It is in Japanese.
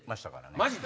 マジで？